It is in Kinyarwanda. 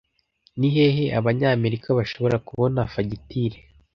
Ni hehe Abanyamerika bashobora kubona fagitire